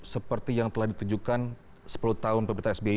seperti yang telah ditunjukkan sepuluh tahun pemirta sbi